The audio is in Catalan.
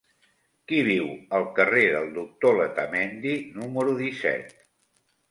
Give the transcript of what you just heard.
Qui viu al carrer del Doctor Letamendi número disset?